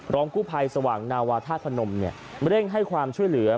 กู้ภัยสว่างนาวาธาตุพนมเร่งให้ความช่วยเหลือ